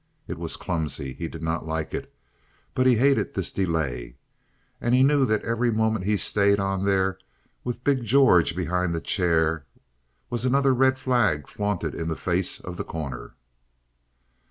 It was clumsy; he did not like it; but he hated this delay. And he knew that every moment he stayed on there with big George behind his chair was another red rag flaunted in the face of The Corner.